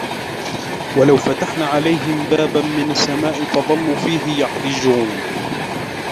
وَلَوْ فَتَحْنَا عَلَيْهِمْ بَابًا مِنَ السَّمَاءِ فَظَلُّوا فِيهِ يَعْرُجُونَ